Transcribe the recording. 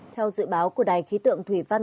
theo dự báo của đài khí tượng thủy văn